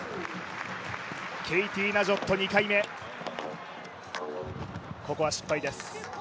ケイティ・ナジョット２回目ここは失敗です。